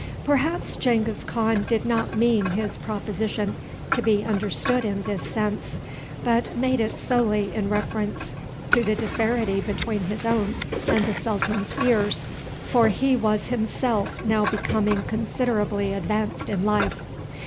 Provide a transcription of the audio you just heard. Perhaps Genghis Khan did not mean his proposition to be understood in this sense, but made it solely in reference to the disparity between his own and the sultan's years, for he was himself now becoming considerably advanced in life.